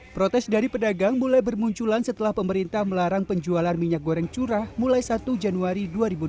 protes dari pedagang mulai bermunculan setelah pemerintah melarang penjualan minyak goreng curah mulai satu januari dua ribu dua puluh